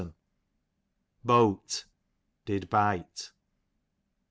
Bote, did bite.